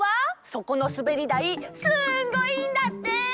そこのすべりだいすんごいんだって！